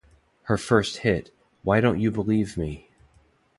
Her first hit, Why Don't You Believe Me?